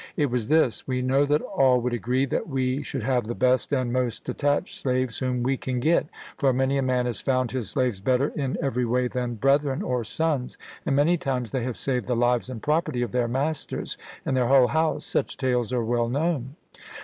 It was this: We know that all would agree that we should have the best and most attached slaves whom we can get. For many a man has found his slaves better in every way than brethren or sons, and many times they have saved the lives and property of their masters and their whole house such tales are well known.